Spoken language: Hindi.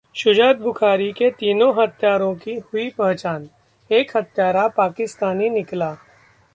शुजात बुखारी के तीनों हत्यारों की हुई पहचान, एक हत्यारा पाकिस्तानी निकला